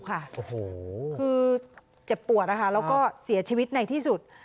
คือเจ็บปวดนะคะแล้วก็เสียชีวิตในที่สุด